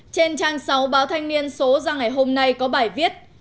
trên trang sáu báo thanh niên số ra ngày hôm nay có bài viết